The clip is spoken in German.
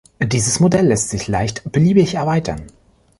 Dieses Modell lässt sich leicht beliebig erweitern.